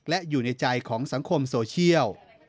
และอยู่ในใจของสังคมโซเชียล